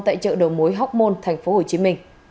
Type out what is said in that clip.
tại chợ đầu mối hóc môn tp hcm